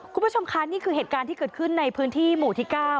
คุณผู้ชมคะนี่คือเหตุการณ์ที่เกิดขึ้นในพื้นที่หมู่ที่๙